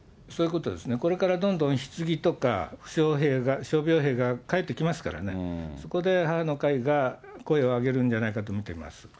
そういうことですね、これからどんどんひつぎとか、負傷兵が帰ってきますからね、そこで母の会が声を上げるんじゃないかと見ております。